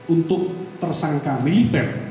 untuk tersangka militer